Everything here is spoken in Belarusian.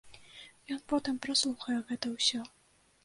Ён потым праслухае гэта ўсё.